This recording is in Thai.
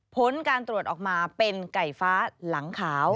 ผลการตรวจออกมาเป็นไก่ฟ้าหลังขาว